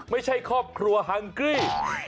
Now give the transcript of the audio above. ไม่ใช่ครอบครัวฮังกี้